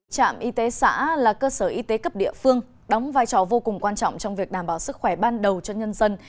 trạm y tế xã là cơ sở y tế cấp địa phương đóng vai trò vô cùng quan trọng trong việc đảm bảo sức khỏe ban đầu cho nhân dân